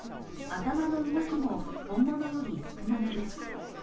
頭の動きも、本物より少なめです。